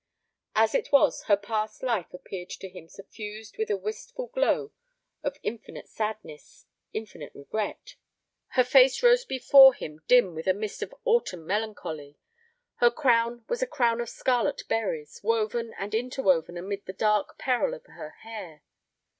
As it was, her past life appeared to him suffused with a wistful glow of infinite sadness, infinite regret. Her face rose before him dim with a mist of autumn melancholy. Her crown was a crown of scarlet berries woven and interwoven amid the dark peril of her hair.